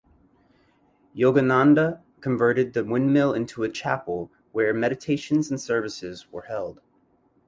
Yogananda converted the windmill into a chapel were meditations and services were held.